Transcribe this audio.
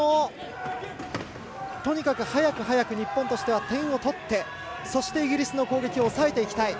とにかく早く早く日本としては点を取ってそしてイギリスの攻撃を抑えていきたい。